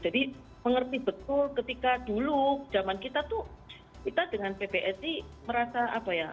jadi saya mengerti betul ketika dulu zaman kita tuh kita dengan pbsi merasa apa ya